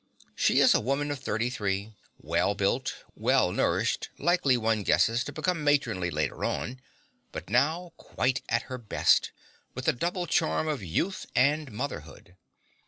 She is a woman of 33, well built, well nourished, likely, one guesses, to become matronly later on, but now quite at her best, with the double charm of youth and motherhood.